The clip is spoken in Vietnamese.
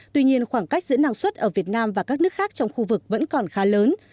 tuy nhiên khoảng cách giữa năng suất ở việt nam và các nước khác trong khu vực vẫn còn khá lớn